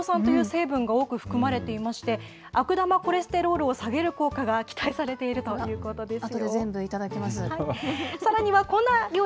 ピーナツには不飽和脂肪酸という成分が多く含まれていまして、悪玉コレステロールを下げる効果が期待されているということです